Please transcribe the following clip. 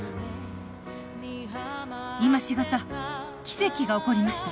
「今しがた奇跡が起こりました」